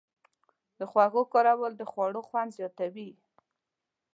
د خوږو کارول د خوړو خوند زیاتوي.